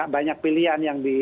banyak pilihan yang